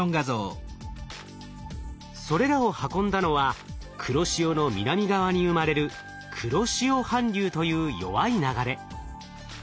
それらを運んだのは黒潮の南側に生まれる黒潮反流という弱い流れ。